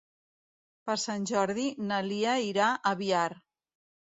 Per Sant Jordi na Lia irà a Biar.